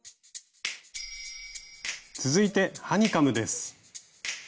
続いてハニカムです。